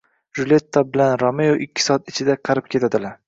Julyetta bilan Romeo ikki soat ichida qarib ketadilar.